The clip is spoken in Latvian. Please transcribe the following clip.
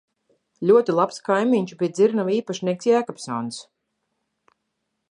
Ļoti labs kaimiņš bija dzirnavu īpašnieks Jēkabsons.